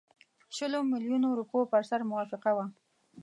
شلو میلیونو روپیو پر سر موافقه وه.